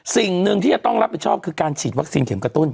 สิ่งหนึ่งที่จะต้องรับผิดชอบคือการฉีดวัคซีนเข็มกระตุ้น